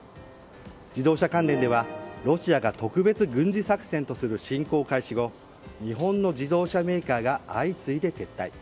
自動車関連ではロシアが特別軍事作戦とする侵攻開始後日本の自動車メーカーが相次いで撤退。